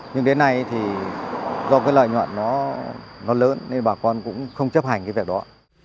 nhưng đến nay do lợi nhuận nó lớn nên bà con cũng không chấp hành việc đó